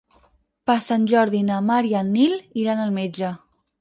Per Sant Jordi na Mar i en Nil iran al metge.